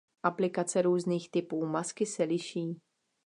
Aplikace různých typů masky se liší.